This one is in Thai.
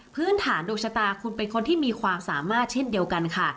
พื้นฐานดวงชะตาคุณเป็นคนที่มีความสามารถเช่นเดียวกันค่ะ